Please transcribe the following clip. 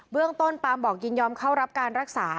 เรื่องต้นปามบอกยินยอมเข้ารับการรักษา